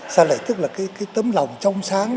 sa lệ tức là cái tâm lòng trong sáng